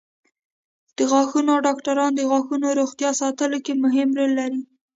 د غاښونو ډاکټران د غاښونو روغتیا ساتلو کې مهم رول لري.